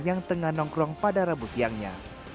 yang tengah nongkrong pada rabu siangnya